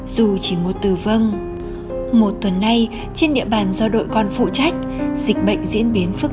dù chỉ một tử vong một tuần nay trên địa bàn do đội con phụ trách dịch bệnh diễn biến phức